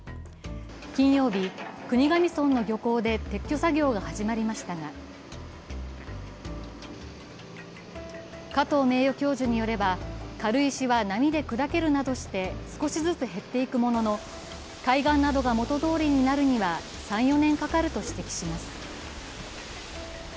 金曜日、国頭村の漁港で撤去作業が始まりましたが加藤名誉教授によれば、軽石は波で砕けるなどして少しずつ減っていくものの、海岸などが元通りになるには３４年かかると指摘します。